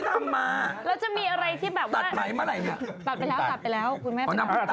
ตัดไหมมาก